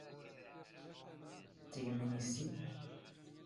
ⵉⵙⵙⵏⵙ ⵜⵓⵎ ⵜⴰⴽⴰⵜ.